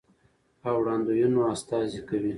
او وړاندوينو استازي کوي،